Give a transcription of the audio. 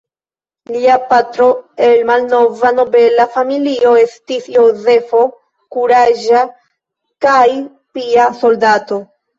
Lia patro el malnova nobela familio estis Jozefo, kuraĝa kaj pia soldato.